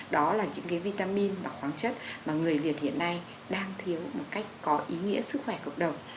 đó là những cái vitamin và khoáng chất mà người việt hiện nay đang thiếu một cách có ý nghĩa sức khỏe cộng đồng